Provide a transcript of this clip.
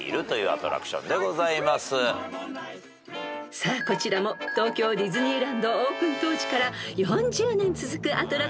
［さあこちらも東京ディズニーランドオープン当時から４０年続くアトラクション］